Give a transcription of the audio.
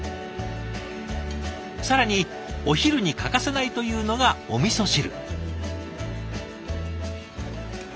更にお昼に欠かせないというのがおみそ汁。